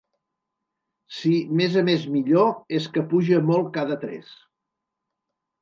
Si, mes a mes millor, es que puja molt cada tres.